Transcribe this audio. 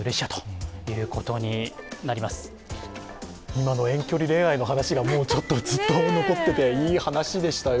今の遠距離恋愛の話がずっと残ってていい話でしたよ。